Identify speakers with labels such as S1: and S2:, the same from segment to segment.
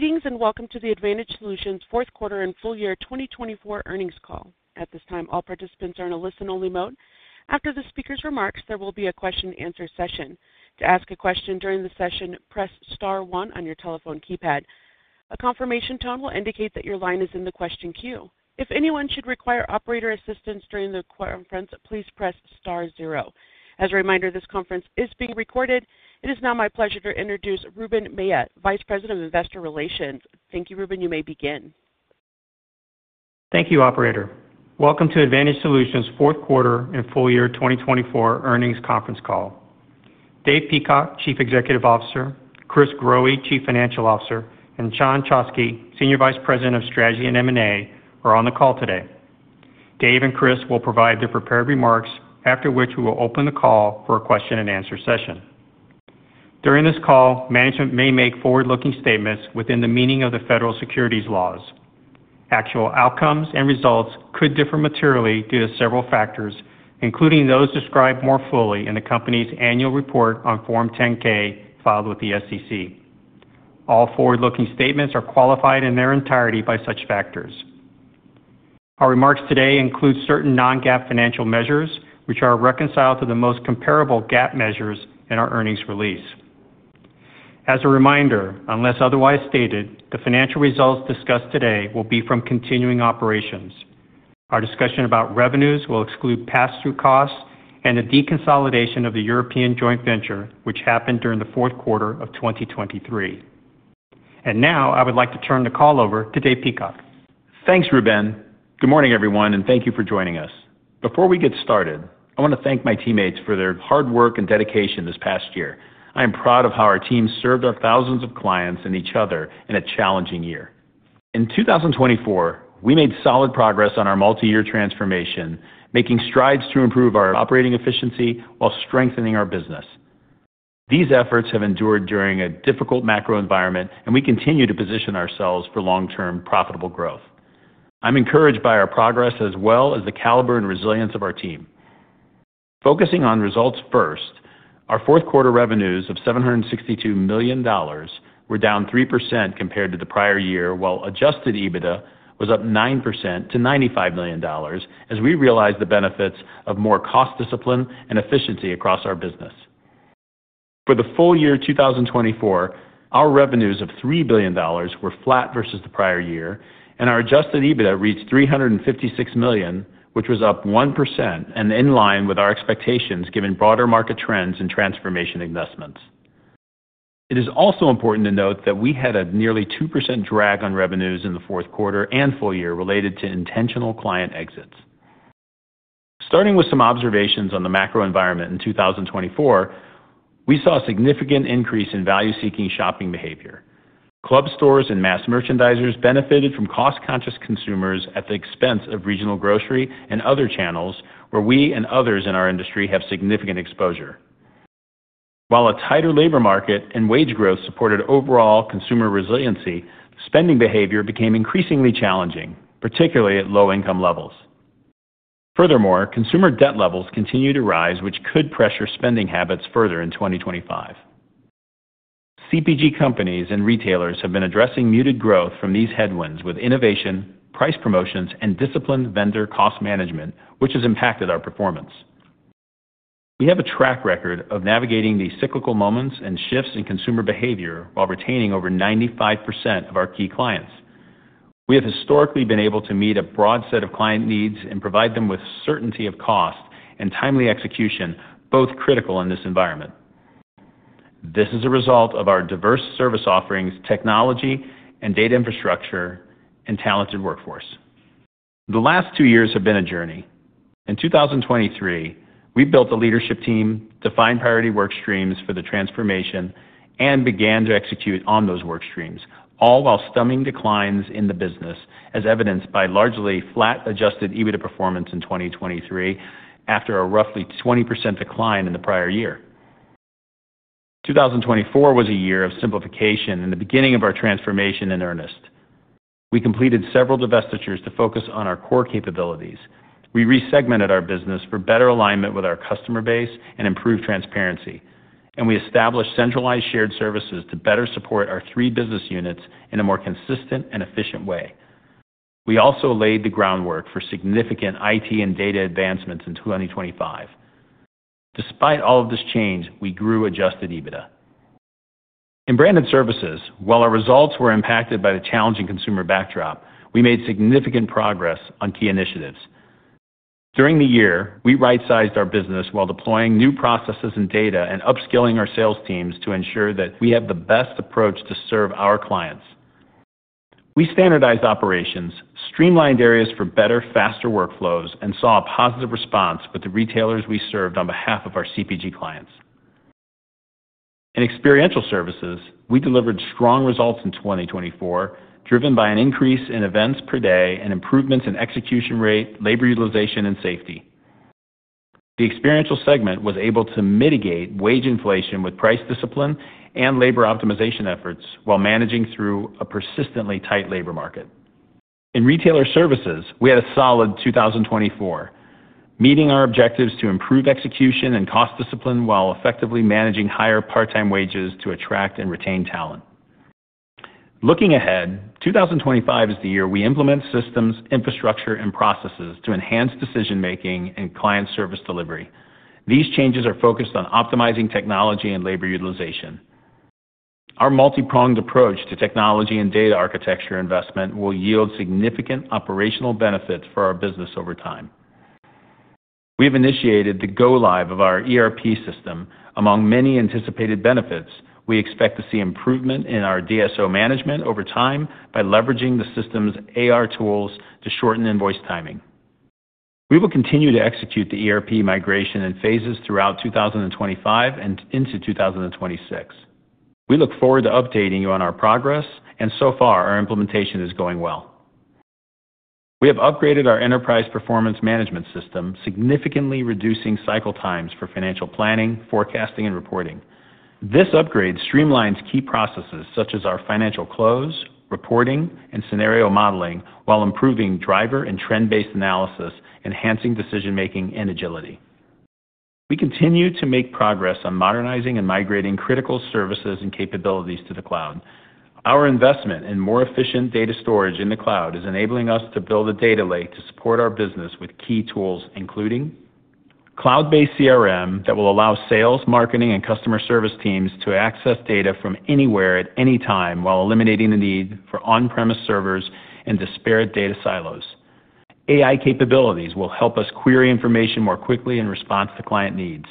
S1: Greetings and welcome to the Advantage Solutions fourth quarter and full year 2024 earnings call. At this time, all participants are in a listen-only mode. After the speaker's remarks, there will be a question-and-answer session. To ask a question during the session, press star one on your telephone keypad. A confirmation tone will indicate that your line is in the question queue. If anyone should require operator assistance during the conference, please press star zero. As a reminder, this conference is being recorded. It is now my pleasure to introduce Ruben Mella, Vice President of Investor Relations. Thank you, Ruben. You may begin.
S2: Thank you, Operator. Welcome to Advantage Solutions fourth quarter and full year 2024 earnings conference call. Dave Peacock, Chief Executive Officer; Chris Growe, Chief Financial Officer; and Sean Choksi, Senior Vice President of Strategy and M&A, are on the call today. Dave and Chris will provide their prepared remarks, after which we will open the call for a question-and-answer session. During this call, management may make forward-looking statements within the meaning of the federal securities laws. Actual outcomes and results could differ materially due to several factors, including those described more fully in the company's annual report on Form 10-K filed with the SEC. All forward-looking statements are qualified in their entirety by such factors. Our remarks today include certain non-GAAP financial measures, which are reconciled to the most comparable GAAP measures in our earnings release. As a reminder, unless otherwise stated, the financial results discussed today will be from continuing operations. Our discussion about revenues will exclude pass-through costs and the deconsolidation of the European joint venture, which happened during the fourth quarter of 2023. I would like to turn the call over to Dave Peacock.
S3: Thanks, Ruben. Good morning, everyone, and thank you for joining us. Before we get started, I want to thank my teammates for their hard work and dedication this past year. I am proud of how our teams served our thousands of clients and each other in a challenging year. In 2024, we made solid progress on our multi-year transformation, making strides to improve our operating efficiency while strengthening our business. These efforts have endured during a difficult macro environment, and we continue to position ourselves for long-term profitable growth. I'm encouraged by our progress, as well as the caliber and resilience of our team. Focusing on results first, our fourth quarter revenues of $762 million were down 3% compared to the prior year, while adjusted EBITDA was up 9% to $95 million as we realized the benefits of more cost discipline and efficiency across our business. For the full year 2024, our revenues of $3 billion were flat versus the prior year, and our adjusted EBITDA reached $356 million, which was up 1% and in line with our expectations given broader market trends and transformation investments. It is also important to note that we had a nearly 2% drag on revenues in the fourth quarter and full year related to intentional client exits. Starting with some observations on the macro environment in 2024, we saw a significant increase in value-seeking shopping behavior. Club stores and mass merchandisers benefited from cost-conscious consumers at the expense of regional grocery and other channels where we and others in our industry have significant exposure. While a tighter labor market and wage growth supported overall consumer resiliency, spending behavior became increasingly challenging, particularly at low-income levels. Furthermore, consumer debt levels continue to rise, which could pressure spending habits further in 2025. CPG companies and retailers have been addressing muted growth from these headwinds with innovation, price promotions, and disciplined vendor cost management, which has impacted our performance. We have a track record of navigating these cyclical moments and shifts in consumer behavior while retaining over 95% of our key clients. We have historically been able to meet a broad set of client needs and provide them with certainty of cost and timely execution, both critical in this environment. This is a result of our diverse service offerings, technology and data infrastructure, and talented workforce. The last two years have been a journey. In 2023, we built a leadership team to find priority work streams for the transformation and began to execute on those work streams, all while stemming declines in the business, as evidenced by largely flat adjusted EBITDA performance in 2023 after a roughly 20% decline in the prior year. 2024 was a year of simplification and the beginning of our transformation in earnest. We completed several divestitures to focus on our core capabilities. We resegmented our business for better alignment with our customer base and improved transparency, and we established centralized shared services to better support our three business units in a more consistent and efficient way. We also laid the groundwork for significant IT and data advancements in 2025. Despite all of this change, we grew adjusted EBITDA. In branded services, while our results were impacted by the challenging consumer backdrop, we made significant progress on key initiatives. During the year, we right-sized our business while deploying new processes and data and upskilling our sales teams to ensure that we have the best approach to serve our clients. We standardized operations, streamlined areas for better, faster workflows, and saw a positive response with the retailers we served on behalf of our CPG clients. In experiential services, we delivered strong results in 2024, driven by an increase in events per day and improvements in execution rate, labor utilization, and safety. The experiential segment was able to mitigate wage inflation with price discipline and labor optimization efforts while managing through a persistently tight labor market. In retailer services, we had a solid 2024, meeting our objectives to improve execution and cost discipline while effectively managing higher part-time wages to attract and retain talent. Looking ahead, 2025 is the year we implement systems, infrastructure, and processes to enhance decision-making and client service delivery. These changes are focused on optimizing technology and labor utilization. Our multi-pronged approach to technology and data architecture investment will yield significant operational benefits for our business over time. We have initiated the go-live of our ERP system. Among many anticipated benefits, we expect to see improvement in our DSO management over time by leveraging the system's AR tools to shorten invoice timing. We will continue to execute the ERP migration in phases throughout 2025 and into 2026. We look forward to updating you on our progress, and so far, our implementation is going well. We have upgraded our enterprise performance management system, significantly reducing cycle times for financial planning, forecasting, and reporting. This upgrade streamlines key processes such as our financial close, reporting, and scenario modeling, while improving driver and trend-based analysis, enhancing decision-making and agility. We continue to make progress on modernizing and migrating critical services and capabilities to the cloud. Our investment in more efficient data storage in the cloud is enabling us to build a data lake to support our business with key tools, including cloud-based CRM that will allow sales, marketing, and customer service teams to access data from anywhere at any time while eliminating the need for on-premise servers and disparate data silos. AI capabilities will help us query information more quickly in response to client needs.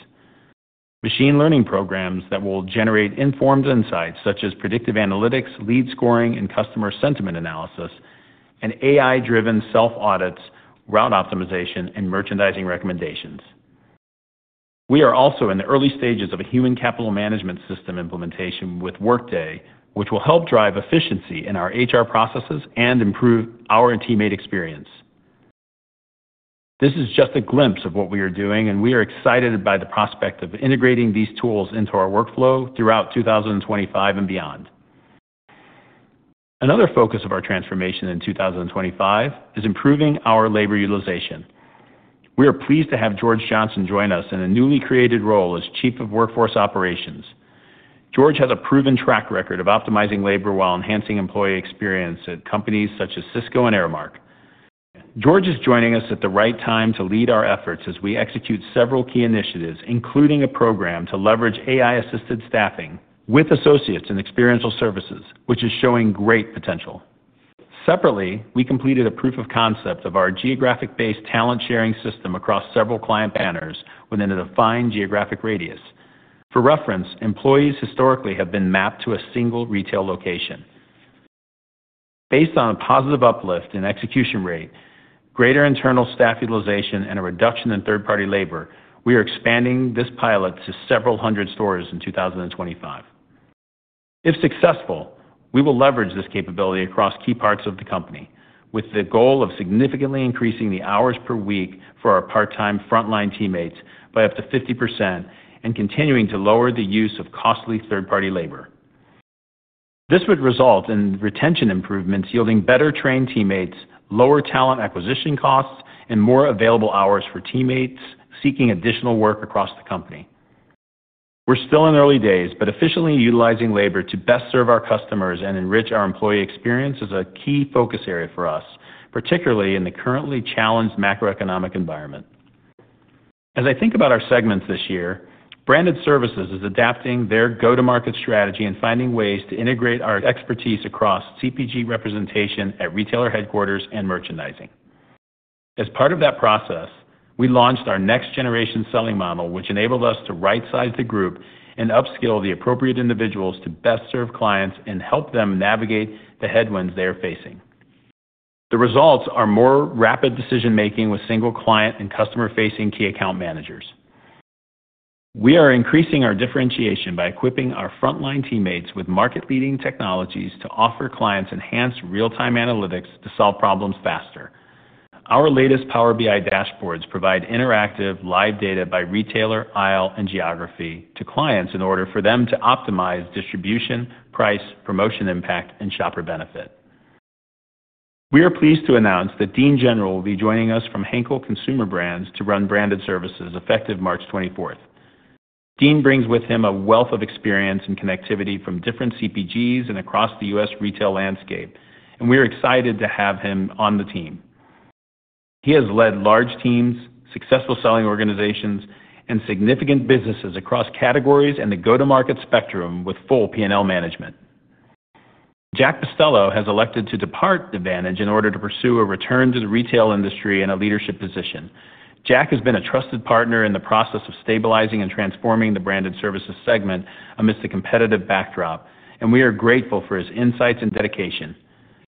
S3: Machine learning programs that will generate informed insights such as predictive analytics, lead scoring, and customer sentiment analysis, and AI-driven self-audits, route optimization, and merchandising recommendations. We are also in the early stages of a human capital management system implementation with Workday, which will help drive efficiency in our HR processes and improve our and teammate experience. This is just a glimpse of what we are doing, and we are excited by the prospect of integrating these tools into our workflow throughout 2025 and beyond. Another focus of our transformation in 2025 is improving our labor utilization. We are pleased to have George Johnson join us in a newly created role as Chief of Workforce Operations. George has a proven track record of optimizing labor while enhancing employee experience at companies such as Cisco and Aramark. George is joining us at the right time to lead our efforts as we execute several key initiatives, including a program to leverage AI assisted staffing with associates in experiential services, which is showing great potential. Separately, we completed a proof of concept of our geographic-based talent sharing system across several client banners within a defined geographic radius. For reference, employees historically have been mapped to a single retail location. Based on a positive uplift in execution rate, greater internal staff utilization, and a reduction in third-party labor, we are expanding this pilot to several hundred stores in 2025. If successful, we will leverage this capability across key parts of the company, with the goal of significantly increasing the hours per week for our part-time frontline teammates by up to 50% and continuing to lower the use of costly third-party labor. This would result in retention improvements yielding better-trained teammates, lower talent acquisition costs, and more available hours for teammates seeking additional work across the company. We're still in early days, but efficiently utilizing labor to best serve our customers and enrich our employee experience is a key focus area for us, particularly in the currently challenged macroeconomic environment. As I think about our segments this year, Branded Services is adapting their go-to-market strategy and finding ways to integrate our expertise across CPG representation at retailer headquarters and merchandising. As part of that process, we launched our next-generation selling model, which enabled us to right-size the group and upskill the appropriate individuals to best serve clients and help them navigate the headwinds they are facing. The results are more rapid decision-making with single-client and customer-facing key account managers. We are increasing our differentiation by equipping our frontline teammates with market-leading technologies to offer clients enhanced real-time analytics to solve problems faster. Our latest Power BI dashboards provide interactive live data by retailer, aisle, and geography to clients in order for them to optimize distribution, price, promotion impact, and shopper benefit. We are pleased to announce that Dean General will be joining us from Henkel Consumer Brands to run Branded Services effective March 24th. Dean brings with him a wealth of experience and connectivity from different CPGs and across the U.S. retail landscape, and we are excited to have him on the team. He has led large teams, successful selling organizations, and significant businesses across categories and the go-to-market spectrum with full P&L management. Jack Pestello has elected to depart Advantage in order to pursue a return to the retail industry and a leadership position. Jack has been a trusted partner in the process of stabilizing and transforming the Branded Services segment amidst a competitive backdrop, and we are grateful for his insights and dedication.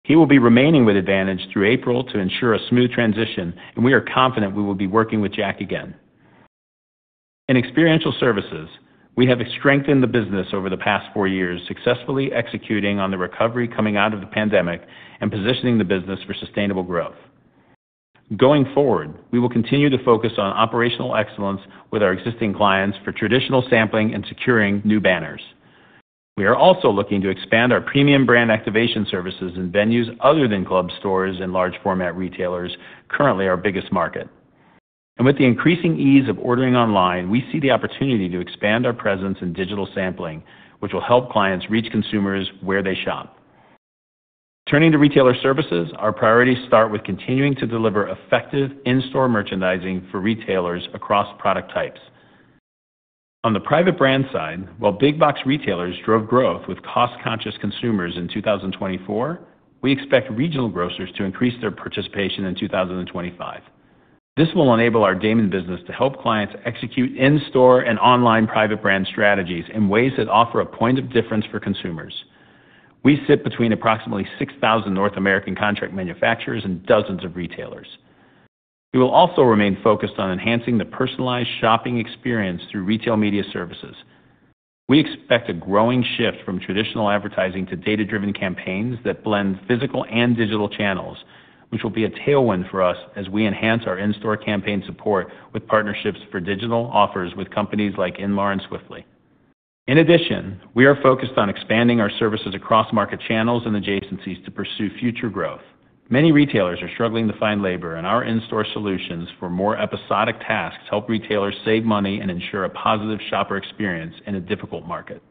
S3: He will be remaining with Advantage through April to ensure a smooth transition, and we are confident we will be working with Jack again. In Experiential Services, we have strengthened the business over the past four years, successfully executing on the recovery coming out of the pandemic and positioning the business for sustainable growth. Going forward, we will continue to focus on operational excellence with our existing clients for traditional sampling and securing new banners. We are also looking to expand our premium brand activation services in venues other than club stores and large-format retailers, currently our biggest market. With the increasing ease of ordering online, we see the opportunity to expand our presence in digital sampling, which will help clients reach consumers where they shop. Turning to Retailer Services, our priorities start with continuing to deliver effective in-store merchandising for retailers across product types. On the private brand side, while big-box retailers drove growth with cost-conscious consumers in 2024, we expect regional grocers to increase their participation in 2025. This will enable our Daymon business to help clients execute in-store and online private brand strategies in ways that offer a point of difference for consumers. We sit between approximately 6,000 North American contract manufacturers and dozens of retailers. We will also remain focused on enhancing the personalized shopping experience through retail media services. We expect a growing shift from traditional advertising to data-driven campaigns that blend physical and digital channels, which will be a tailwind for us as we enhance our in-store campaign support with partnerships for digital offers with companies like Inmar and Swiftly. In addition, we are focused on expanding our services across market channels and adjacencies to pursue future growth. Many retailers are struggling to find labor, and our in-store solutions for more episodic tasks help retailers save money and ensure a positive shopper experience in a difficult market.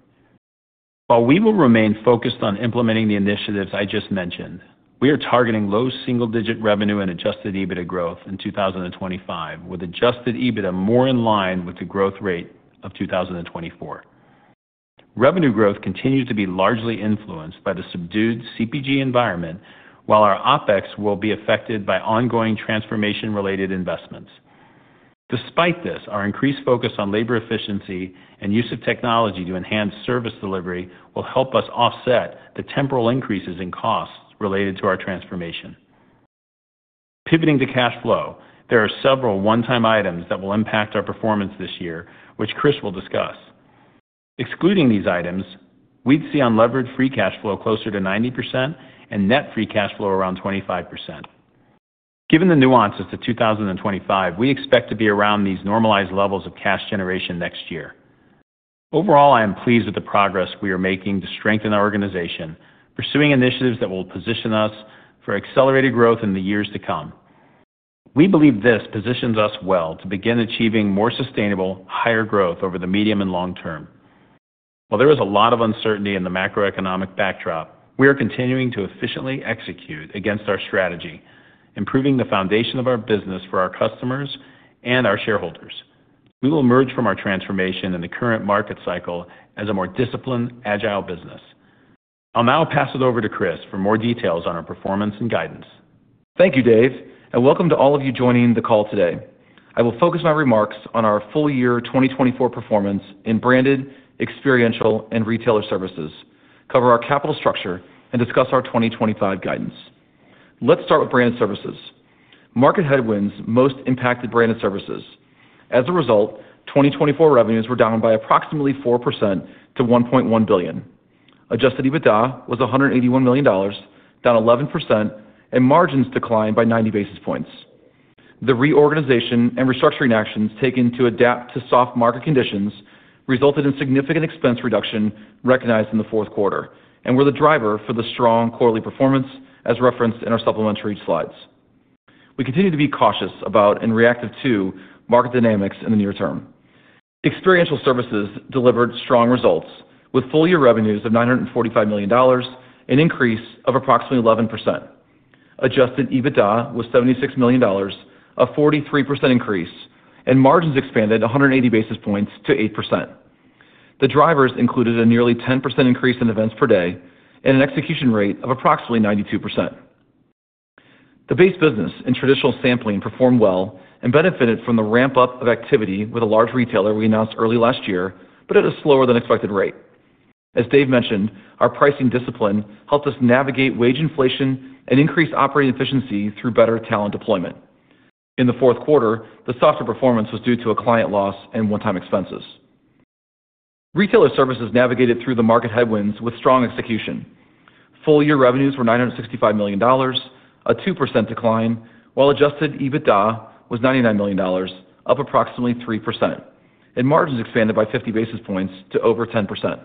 S3: While we will remain focused on implementing the initiatives I just mentioned, we are targeting low single-digit revenue and adjusted EBITDA growth in 2025, with adjusted EBITDA more in line with the growth rate of 2024. Revenue growth continues to be largely influenced by the subdued CPG environment, while our OpEx will be affected by ongoing transformation-related investments. Despite this, our increased focus on labor efficiency and use of technology to enhance service delivery will help us offset the temporal increases in costs related to our transformation. Pivoting to cash flow, there are several one-time items that will impact our performance this year, which Chris will discuss. Excluding these items, we'd see unleveraged free cash flow closer to 90% and net free cash flow around 25%. Given the nuances to 2025, we expect to be around these normalized levels of cash generation next year. Overall, I am pleased with the progress we are making to strengthen our organization, pursuing initiatives that will position us for accelerated growth in the years to come. We believe this positions us well to begin achieving more sustainable, higher growth over the medium and long term. While there is a lot of uncertainty in the macroeconomic backdrop, we are continuing to efficiently execute against our strategy, improving the foundation of our business for our customers and our shareholders. We will emerge from our transformation in the current market cycle as a more disciplined, agile business. I'll now pass it over to Chris for more details on our performance and guidance.
S4: Thank you, Dave, and welcome to all of you joining the call today. I will focus my remarks on our full-year 2024 performance in branded, experiential, and retailer services, cover our capital structure, and discuss our 2025 guidance. Let's start with Branded Services. Market headwinds most impacted Branded Services. As a result, 2024 revenues were down by approximately 4% to $1.1 billion. Adjusted EBITDA was $181 million, down 11%, and margins declined by 90 basis points. The reorganization and restructuring actions taken to adapt to soft market conditions resulted in significant expense reduction recognized in the fourth quarter and were the driver for the strong quarterly performance, as referenced in our supplementary slides. We continue to be cautious about and reactive to market dynamics in the near term. Experiential Services delivered strong results, with full-year revenues of $945 million, an increase of approximately 11%. Adjusted EBITDA was $76 million, a 43% increase, and margins expanded 180 basis points to 8%. The drivers included a nearly 10% increase in events per day and an execution rate of approximately 92%. The base business and traditional sampling performed well and benefited from the ramp-up of activity with a large retailer we announced early last year, but at a slower than expected rate. As Dave mentioned, our pricing discipline helped us navigate wage inflation and increase operating efficiency through better talent deployment. In the fourth quarter, the softer performance was due to a client loss and one-time expenses. Retailer Services navigated through the market headwinds with strong execution. Full-year revenues were $965 million, a 2% decline, while adjusted EBITDA was $99 million, up approximately 3%, and margins expanded by 50 basis points to over 10%.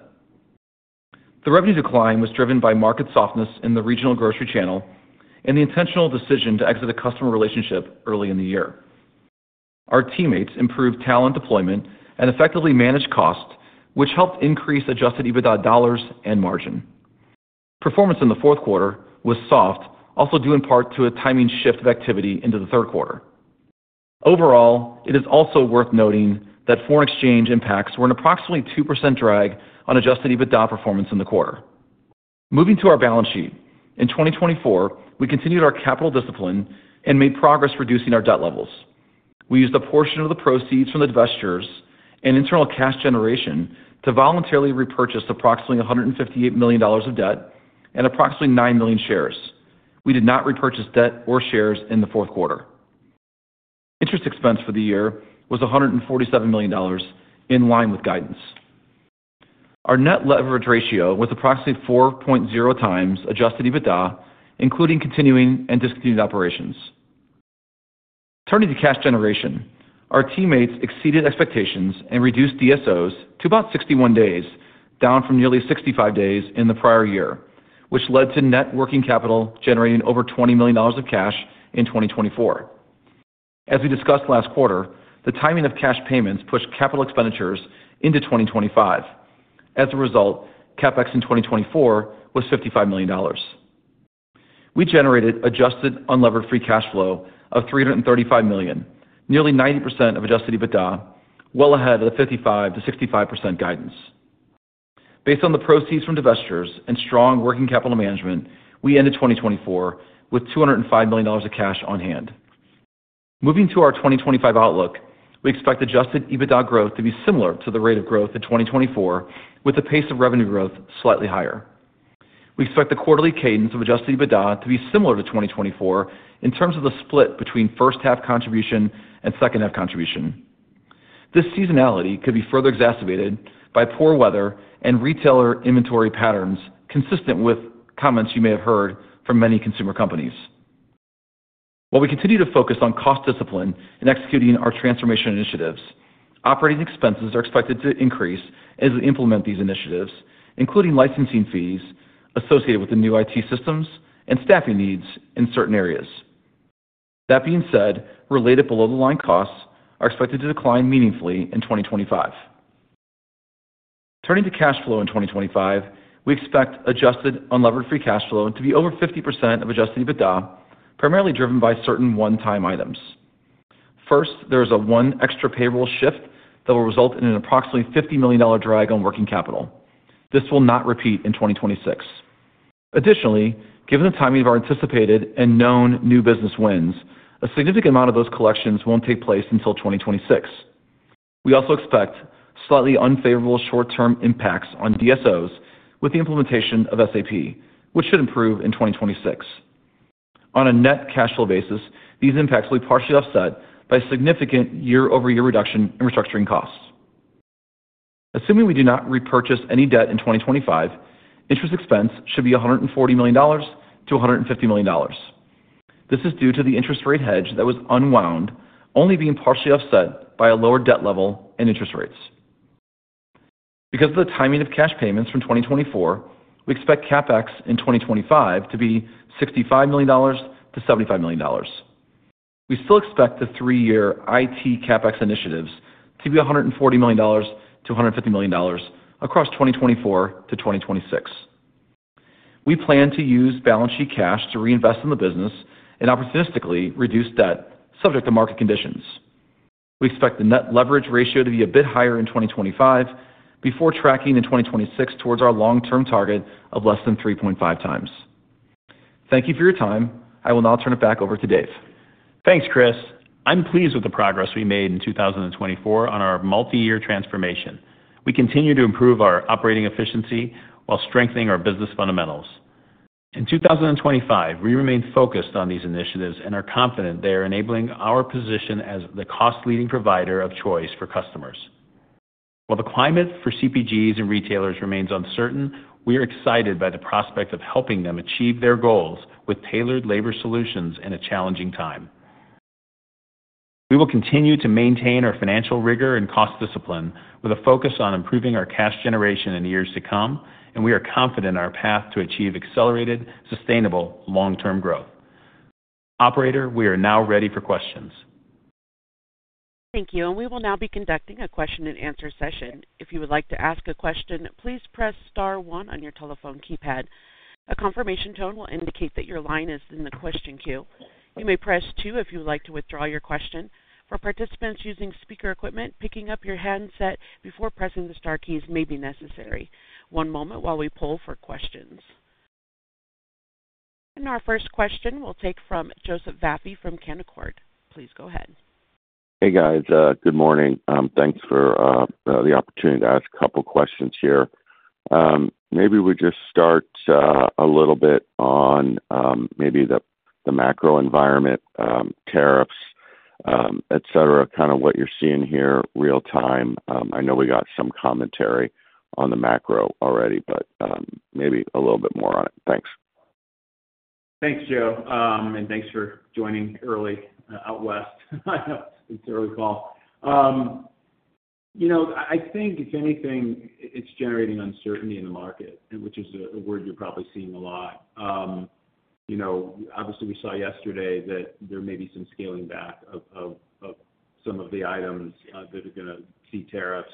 S4: The revenue decline was driven by market softness in the regional grocery channel and the intentional decision to exit a customer relationship early in the year. Our teammates improved talent deployment and effectively managed costs, which helped increase adjusted EBITDA dollars and margin. Performance in the fourth quarter was soft, also due in part to a timing shift of activity into the third quarter. Overall, it is also worth noting that foreign exchange impacts were an approximately 2% drag on adjusted EBITDA performance in the quarter. Moving to our balance sheet, in 2024, we continued our capital discipline and made progress reducing our debt levels. We used a portion of the proceeds from the divestitures and internal cash generation to voluntarily repurchase approximately $158 million of debt and approximately 9 million shares. We did not repurchase debt or shares in the fourth quarter. Interest expense for the year was $147 million, in line with guidance. Our net leverage ratio was approximately 4.0 times adjusted EBITDA, including continuing and discontinued operations. Turning to cash generation, our teammates exceeded expectations and reduced DSOs to about 61 days, down from nearly 65 days in the prior year, which led to net working capital generating over $20 million of cash in 2024. As we discussed last quarter, the timing of cash payments pushed capital expenditures into 2025. As a result, CapEx in 2024 was $55 million. We generated adjusted unleveraged free cash flow of $335 million, nearly 90% of adjusted EBITDA, well ahead of the 55%-65% guidance. Based on the proceeds from divestitures and strong working capital management, we ended 2024 with $205 million of cash on hand. Moving to our 2025 outlook, we expect adjusted EBITDA growth to be similar to the rate of growth in 2024, with the pace of revenue growth slightly higher. We expect the quarterly cadence of adjusted EBITDA to be similar to 2024 in terms of the split between first-half contribution and second-half contribution. This seasonality could be further exacerbated by poor weather and retailer inventory patterns consistent with comments you may have heard from many consumer companies. While we continue to focus on cost discipline in executing our transformation initiatives, operating expenses are expected to increase as we implement these initiatives, including licensing fees associated with the new IT systems and staffing needs in certain areas. That being said, related below-the-line costs are expected to decline meaningfully in 2025. Turning to cash flow in 2025, we expect adjusted unleveraged free cash flow to be over 50% of adjusted EBITDA, primarily driven by certain one-time items. First, there is a one extra payroll shift that will result in an approximately $50 million drag on working capital. This will not repeat in 2026. Additionally, given the timing of our anticipated and known new business wins, a significant amount of those collections will not take place until 2026. We also expect slightly unfavorable short-term impacts on DSOs with the implementation of SAP, which should improve in 2026. On a net cash flow basis, these impacts will be partially offset by significant year-over-year reduction in restructuring costs. Assuming we do not repurchase any debt in 2025, interest expense should be $140 million-$150 million. This is due to the interest rate hedge that was unwound, only being partially offset by a lower debt level and interest rates. Because of the timing of cash payments from 2024, we expect CapEx in 2025 to be $65 million-$75 million. We still expect the three-year IT CapEx initiatives to be $140 million-$150 million across 2024 to 2026. We plan to use balance sheet cash to reinvest in the business and opportunistically reduce debt subject to market conditions. We expect the net leverage ratio to be a bit higher in 2025 before tracking in 2026 towards our long-term target of less than 3.5 times. Thank you for your time. I will now turn it back over to Dave.
S3: Thanks, Chris. I'm pleased with the progress we made in 2024 on our multi-year transformation. We continue to improve our operating efficiency while strengthening our business fundamentals. In 2025, we remain focused on these initiatives and are confident they are enabling our position as the cost-leading provider of choice for customers. While the climate for CPGs and retailers remains uncertain, we are excited by the prospect of helping them achieve their goals with tailored labor solutions in a challenging time. We will continue to maintain our financial rigor and cost discipline with a focus on improving our cash generation in the years to come, and we are confident in our path to achieve accelerated, sustainable, long-term growth. Operator, we are now ready for questions.
S1: Thank you. We will now be conducting a question-and-answer session. If you would like to ask a question, please press star oneon your telephone keypad. A confirmation tone will indicate that your line is in the question queue. You may press two if you would like to withdraw your question. For participants using speaker equipment, picking up your handset before pressing the star keys may be necessary. One moment while we pull for questions. Our first question will come from Joseph Vafi from Canaccord. Please go ahead.
S5: Hey, guys. Good morning. Thanks for the opportunity to ask a couple of questions here. Maybe we just start a little bit on maybe the macro environment, tariffs, et cetera, kind of what you're seeing here real-time. I know we got some commentary on the macro already, but maybe a little bit more on it. Thanks.
S3: Thanks, Joe. And thanks for joining early out west. I know it's an early call. I think, if anything, it's generating uncertainty in the market, which is a word you're probably seeing a lot. Obviously, we saw yesterday that there may be some scaling back of some of the items that are going to see tariffs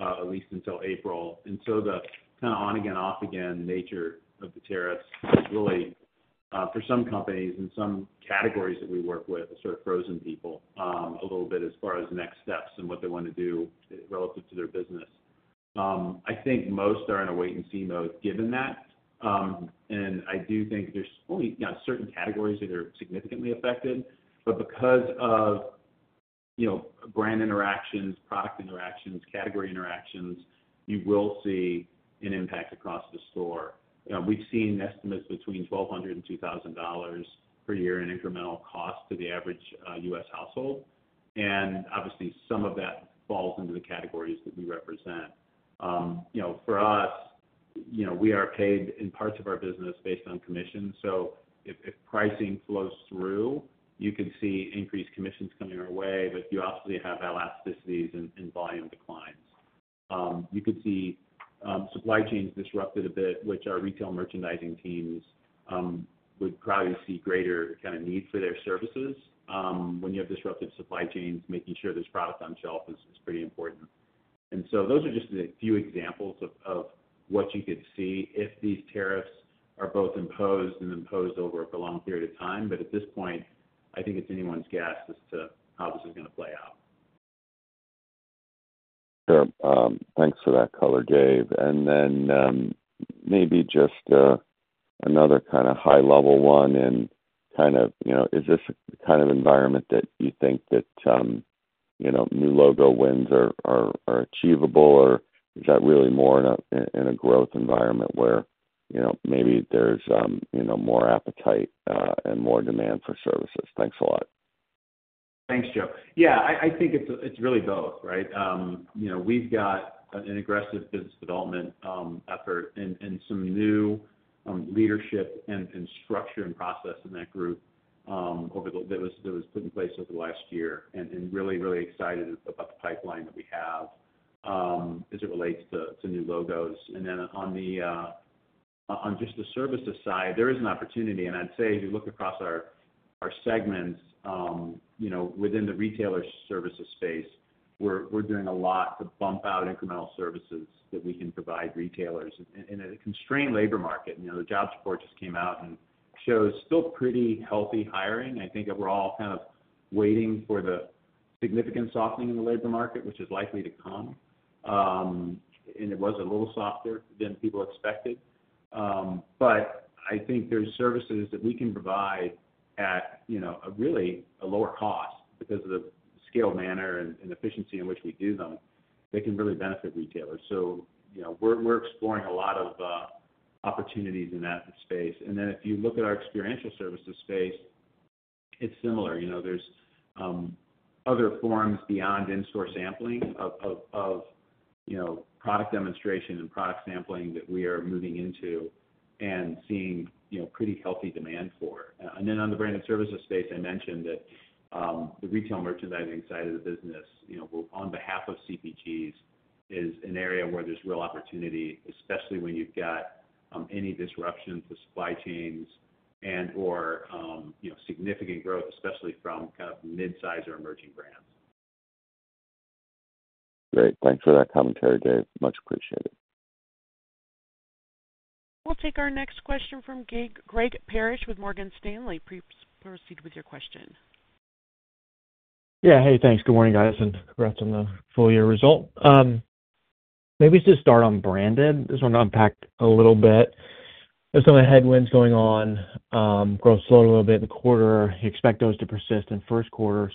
S3: at least until April. The kind of on-again-off-again nature of the tariffs has really, for some companies and some categories that we work with, sort of frozen people a little bit as far as next steps and what they want to do relative to their business. I think most are in a wait-and-see mode given that. I do think there's only certain categories that are significantly affected. Because of brand interactions, product interactions, category interactions, you will see an impact across the store. We've seen estimates between $1,200 and $2,000 per year in incremental cost to the average U.S. household. Obviously, some of that falls into the categories that we represent. For us, we are paid in parts of our business based on commission. If pricing flows through, you could see increased commissions coming our way. You obviously have elasticities and volume declines. You could see supply chains disrupted a bit, which our retail merchandising teams would probably see greater kind of need for their services. When you have disrupted supply chains, making sure there's product on shelf is pretty important. Those are just a few examples of what you could see if these tariffs are both imposed and imposed over a prolonged period of time. At this point, I think it's anyone's guess as to how this is going to play out.
S5: Sure. Thanks for that color, Dave. Maybe just another kind of high-level one, is this the kind of environment that you think that new logo wins are achievable, or is that really more in a growth environment where maybe there's more appetite and more demand for services? Thanks a lot.
S3: Thanks, Joe. Yeah, I think it's really both, right? We've got an aggressive business development effort and some new leadership and structure and process in that group that was put in place over the last year and really, really excited about the pipeline that we have as it relates to new logos. On just the services side, there is an opportunity. I'd say if you look across our segments within the retailer services space, we're doing a lot to bump out incremental services that we can provide retailers. In a constrained labor market, the jobs report just came out and shows still pretty healthy hiring. I think we're all kind of waiting for the significant softening in the labor market, which is likely to come. It was a little softer than people expected. I think there's services that we can provide at really a lower cost because of the scale, manner, and efficiency in which we do them that can really benefit retailers. We're exploring a lot of opportunities in that space. If you look at our experiential services space, it's similar. There's other forms beyond in-store sampling of product demonstration and product sampling that we are moving into and seeing pretty healthy demand for. On the branded services space, I mentioned that the retail merchandising side of the business, on behalf of CPGs, is an area where there's real opportunity, especially when you've got any disruption to supply chains and/or significant growth, especially from kind of midsize or emerging brands.
S5: Great. Thanks for that commentary, Dave. Much appreciated.
S1: We'll take our next question from Greg Parrish with Morgan Stanley. Please proceed with your question.
S6: Yeah. Hey, thanks. Good morning, guys. And congrats on the full-year result. Maybe just start on branded. This one got unpacked a little bit. There's some headwinds going on. Growth slowed a little bit in the quarter. You expect those to persist in first quarter.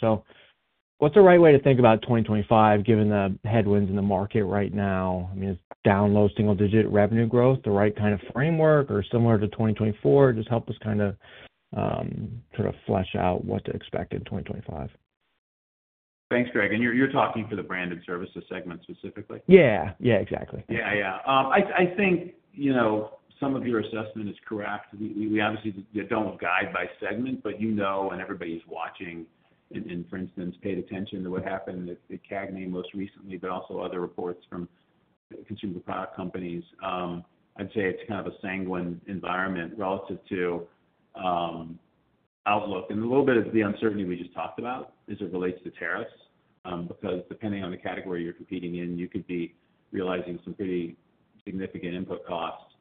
S6: What's the right way to think about 2025 given the headwinds in the market right now? I mean, it's down low single-digit revenue growth. The right kind of framework or similar to 2024? Just help us kind of sort of flesh out what to expect in 2025.
S3: Thanks, Greg. You're talking for the Branded Services segment specifically?
S6: Yeah. Yeah, exactly.
S3: Yeah, yeah. I think some of your assessment is correct. We obviously don't guide by segment, but you know and everybody's watching and, for instance, paid attention to what happened at CAGNY most recently, but also other reports from consumer product companies. I'd say it's kind of a sanguine environment relative to outlook. A little bit of the uncertainty we just talked about as it relates to tariffs because depending on the category you're competing in, you could be realizing some pretty significant input costs.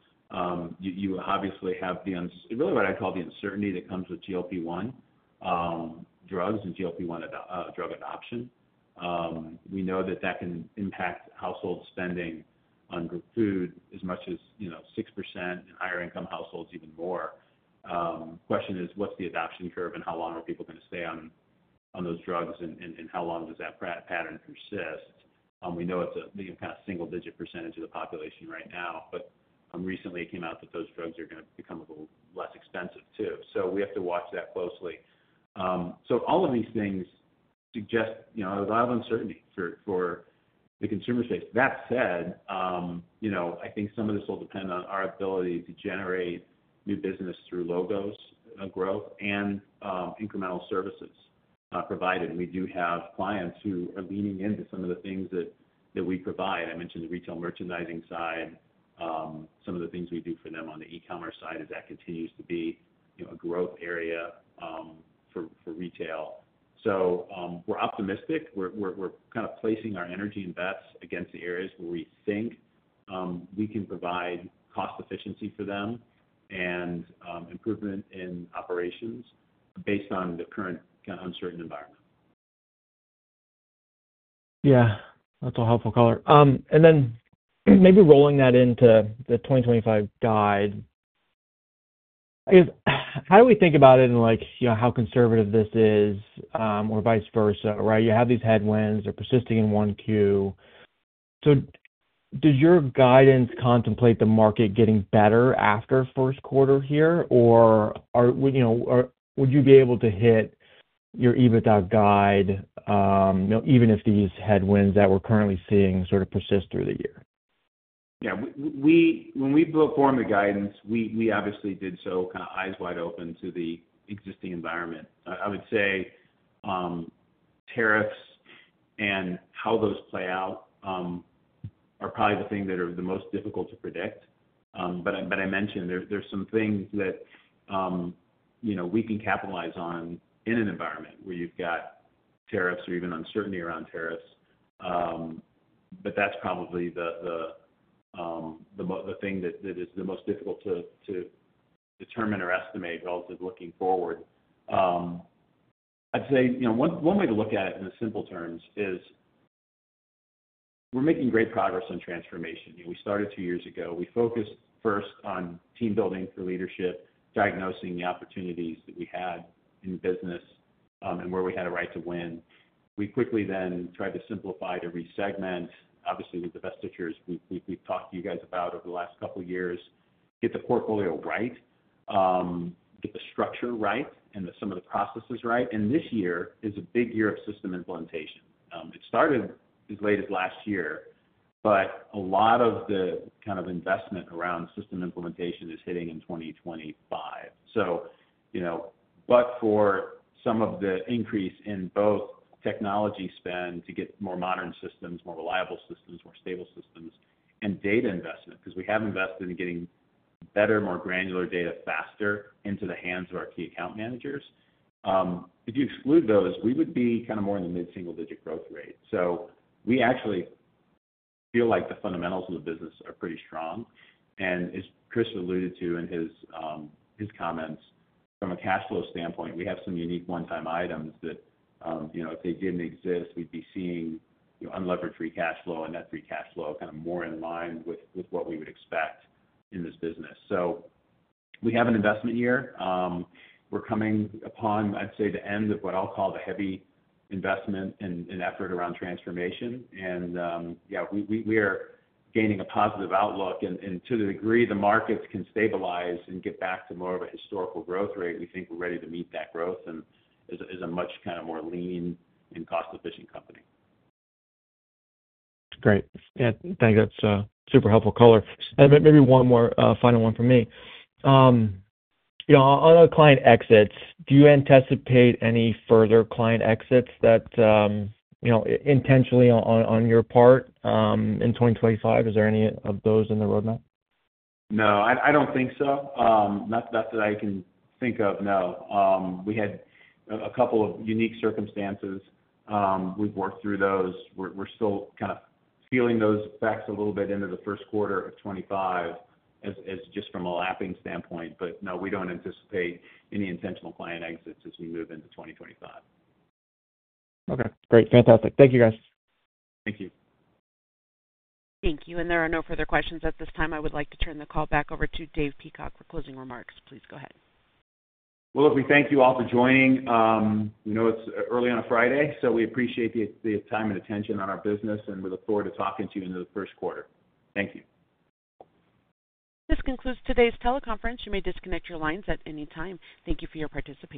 S3: You obviously have really what I'd call the uncertainty that comes with GLP-1 drugs and GLP-1 drug adoption. We know that that can impact household spending on food as much as 6% and higher-income households even more. Question is, what's the adoption curve and how long are people going to stay on those drugs and how long does that pattern persist? We know it's a kind of single-digit percentage of the population right now, but recently it came out that those drugs are going to become a little less expensive too. We have to watch that closely. All of these things suggest a lot of uncertainty for the consumer space. That said, I think some of this will depend on our ability to generate new business through logos growth and incremental services provided. We do have clients who are leaning into some of the things that we provide. I mentioned the retail merchandising side. Some of the things we do for them on the e-commerce side is that continues to be a growth area for retail. We are optimistic. We are kind of placing our energy and bets against the areas where we think we can provide cost efficiency for them and improvement in operations based on the current kind of uncertain environment.
S6: Yeah. That is a helpful color. Maybe rolling that into the 2025 guide. How do we think about it and how conservative this is or vice versa, right? You have these headwinds. They're persisting in one queue. So does your guidance contemplate the market getting better after first quarter here, or would you be able to hit your EBITDA guide even if these headwinds that we're currently seeing sort of persist through the year?
S3: Yeah. When we performed the guidance, we obviously did so kind of eyes wide open to the existing environment. I would say tariffs and how those play out are probably the thing that are the most difficult to predict. I mentioned there's some things that we can capitalize on in an environment where you've got tariffs or even uncertainty around tariffs. That's probably the thing that is the most difficult to determine or estimate relative looking forward. I'd say one way to look at it in the simple terms is we're making great progress on transformation. We started two years ago. We focused first on team building for leadership, diagnosing the opportunities that we had in business and where we had a right to win. We quickly then tried to simplify to resegment, obviously, with the divestitures we've talked to you guys about over the last couple of years, get the portfolio right, get the structure right, and some of the processes right. This year is a big year of system implementation. It started as late as last year, but a lot of the kind of investment around system implementation is hitting in 2025. For some of the increase in both technology spend to get more modern systems, more reliable systems, more stable systems, and data investment, we have invested in getting better, more granular data faster into the hands of our key account managers. If you exclude those, we would be kind of more in the mid-single-digit growth rate. We actually feel like the fundamentals of the business are pretty strong. As Chris alluded to in his comments, from a cash flow standpoint, we have some unique one-time items that if they did not exist, we would be seeing unleveraged free cash flow and net free cash flow kind of more in line with what we would expect in this business. We have an investment year. We are coming upon, I would say, the end of what I will call the heavy investment and effort around transformation. Yeah, we are gaining a positive outlook. To the degree the markets can stabilize and get back to more of a historical growth rate, we think we are ready to meet that growth and are a much kind of more lean and cost-efficient company.
S6: Great. Yeah. Thanks. That's a super helpful color. Maybe one more final one for me. On the client exits, do you anticipate any further client exits intentionally on your part in 2025? Is there any of those in the roadmap?
S3: No. I don't think so. Not that I can think of, no. We had a couple of unique circumstances. We've worked through those. We're still kind of feeling those effects a little bit into the first quarter of 2025 just from a lapping standpoint. No, we don't anticipate any intentional client exits as we move into 2025.
S6: Okay. Great. Fantastic. Thank you, guys.
S3: Thank you.
S1: Thank you. There are no further questions at this time. I would like to turn the call back over to Dave Peacock for closing remarks. Please go ahead.
S3: Look, we thank you all for joining. We know it's early on a Friday, so we appreciate the time and attention on our business, and we look forward to talking to you into the first quarter. Thank you.
S1: This concludes today's teleconference. You may disconnect your lines at any time. Thank you for your participation.